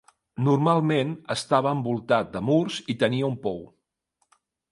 Normalment estava envoltat de murs i tenia un pou.